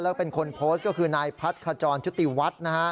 แล้วเป็นคนโพสต์ก็คือนายพัดขจรชุติวัฒน์นะฮะ